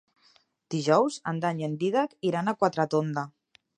Dijous en Dan i en Dídac iran a Quatretonda.